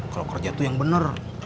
kalau kerja tuh yang bener